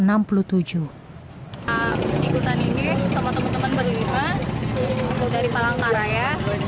ikutan ini sama teman teman berlima dari palangkaraya